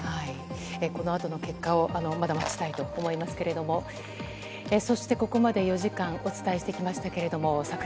このあとの結果をまだ待ちたいと思いますけれども、そして、ここまで４時間、お伝えしてきま